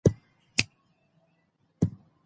د دې متن لیکنې هدف دا دی